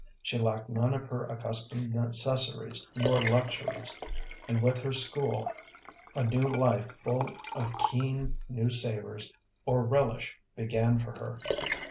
She lacked none of her accustomed necessaries nor luxuries, and with her school a new life full of keen, new savors or relish began for her.